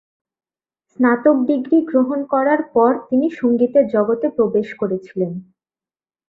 স্নাতক ডিগ্রী গ্রহণ করার পর তিনি সংগীতের জগতে প্রবেশ করেছিলেন।